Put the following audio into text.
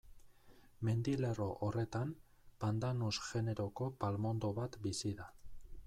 Mendilerro horretan, Pandanus generoko palmondo bat bizi da.